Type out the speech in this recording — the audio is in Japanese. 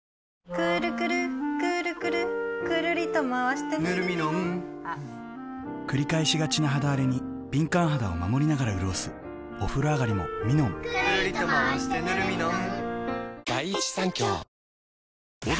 くるくるくるくるぬるミノンくるりとまわしてぬるミノン繰り返しがちな肌あれに敏感肌を守りながらうるおすお風呂あがりもミノンくるりとまわしてぬるミノン